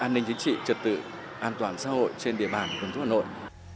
an ninh chính trị trật tự an toàn xã hội trên địa bàn quân thủ hà nội